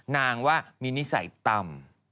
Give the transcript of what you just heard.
ว่ามีนิสัยต่ำ